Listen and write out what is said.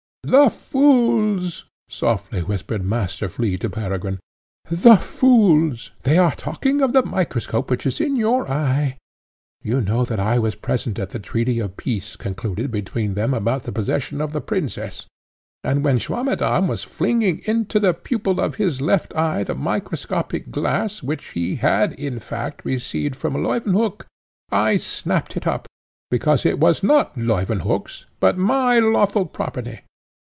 "The fools!" softly whispered Master Flea to Peregrine "the fools! they are talking of the microscope which is in your eye. You know that I was present at the treaty of peace concluded between them about the possession of the princess, and, when Swammerdamm was flinging into the pupil of his left eye the microscopic glass which he had, in fact, received from Leuwenhock, I snapped it up, because it was not Leuwenhock's, but my lawful property.